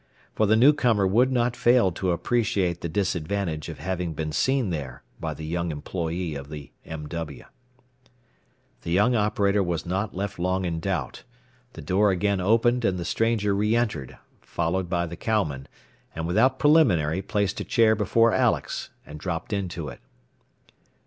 For the newcomer would not fail to appreciate the disadvantage of having been seen there by the young employee of the M. W. The young operator was not left long in doubt. The door again opened, and the stranger re entered, followed by the cowman, and without preliminary placed a chair before Alex and dropped into it.